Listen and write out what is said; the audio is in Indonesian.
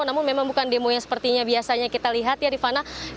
namun memang bukan demo yang sepertinya biasanya kita lihat ya rifana